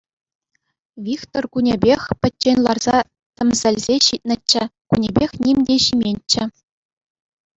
Вихтӗр кунӗпех пӗччен ларса тӗмсӗлсе ҫитнӗччӗ, кунӗпех ним те ҫименччӗ.